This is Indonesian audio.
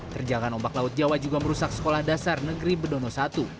terjangan ombak laut jawa juga merusak sekolah dasar negeri bedono i